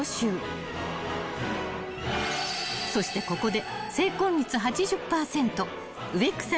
［そしてここで］